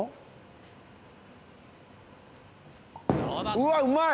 うわうまい！